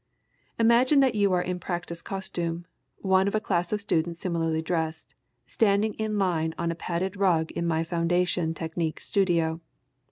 Imagine that you are in practice costume, one of a class of students similarly dressed, standing in line on a padded rug in my Foundation Technique studio.